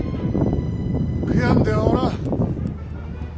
悔やんではおらん。